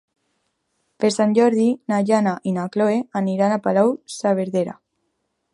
Per Sant Jordi na Jana i na Chloé aniran a Palau-saverdera.